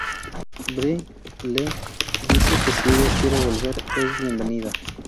Bree le dice que si ella quiere volver, es bienvenida.